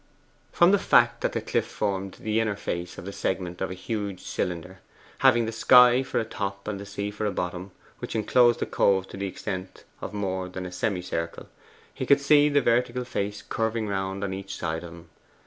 From the fact that the cliff formed the inner face of the segment of a huge cylinder, having the sky for a top and the sea for a bottom, which enclosed the cove to the extent of more than a semicircle, he could see the vertical face curving round on each side of him.